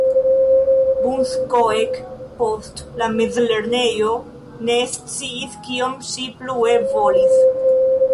Bunskoek post la mezlernejo ne sciis kion ŝi plue volis.